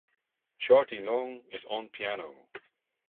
Shorty Long is on piano.